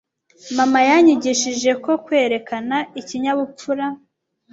Mama yanyigishije ko kwerekana ikinyabupfura.